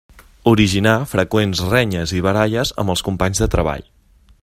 Originar freqüents renyes i baralles amb els companys de treball.